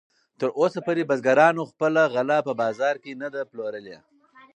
تراوسه پورې بزګرانو خپله غله په بازار کې نه ده پلورلې.